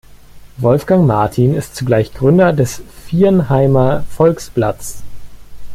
Wolfgang Martin ist zugleich Gründer des "Viernheimer Volksblatts".